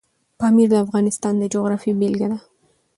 پامیر د افغانستان د جغرافیې بېلګه ده.